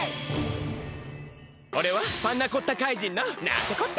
おれはパンナコッタかいじんのナンテコッタ！